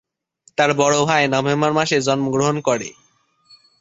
তার বড় ভাই নভেম্বর মাসে জন্মগ্রহণ করে।